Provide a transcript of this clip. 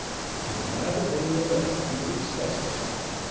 And now that they were alone he could express himself.